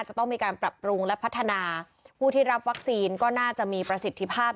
จะต้องมีการปรับปรุงและพัฒนาผู้ที่รับวัคซีนก็น่าจะมีประสิทธิภาพ